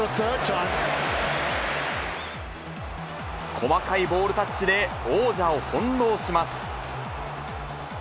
細かいボールタッチで王者を翻弄します。